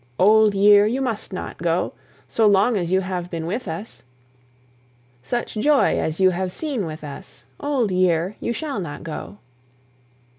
Old year, you must not go; So long as you have been with us, Such joy as you have seen with us, Old year, you shall not go.